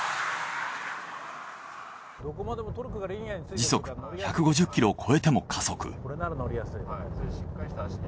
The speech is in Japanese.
時速１５０キロを超えても加速。